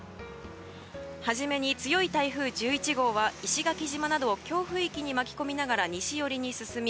初めに強い台風１１号は石垣島などを強風域に巻き込みながら西寄りに進み